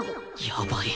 やばい！